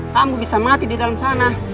kamu bisa mati di dalam sana